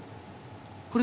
これ。